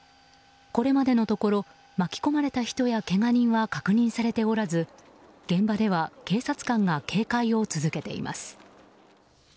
これまでのところ巻き込まれた人や、けが人は確認されておらず現場では警察官が警戒を続けています。